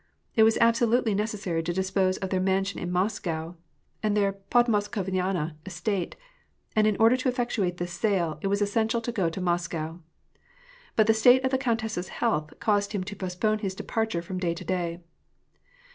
It was absolutely necessary to dispose of their mansion in Moscow, and their podmoskovnaya estate ; and in order to effectuate this sale, it was essential to go to Moscow. But the state of the countess's health caused him to postpone his departure from day to day.